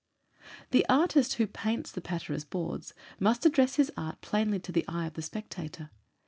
The artist who paints the patterers' boards, must address his art plainly to the eye of the spectator.